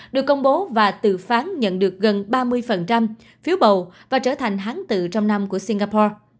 được công bố và tự phán nhận được gần ba mươi phiếu bầu và trở thành hán tự trong năm của singapore